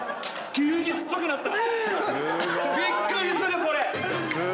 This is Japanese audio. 急に酸っぱくなった。